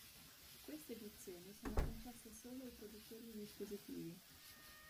Queste edizioni sono concesse solo ai produttori di dispositivi.